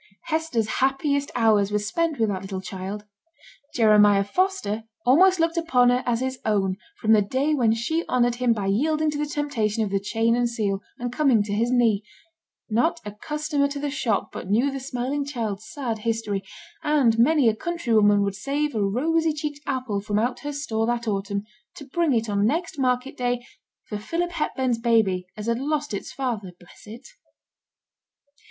Hester's happiest hours were spent with that little child. Jeremiah Foster almost looked upon her as his own from the day when she honoured him by yielding to the temptation of the chain and seal, and coming to his knee; not a customer to the shop but knew the smiling child's sad history, and many a country woman would save a rosy cheeked apple from out her store that autumn to bring it on next market day for 'Philip Hepburn's baby, as had lost its father, bless it.'